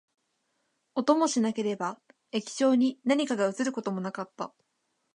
音もしなければ、液晶に何かが写ることもなかった